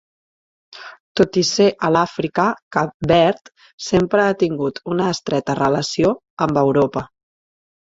Tot i ser a l'Àfrica, Cap Verd sempre ha tingut una estreta relació amb Europa.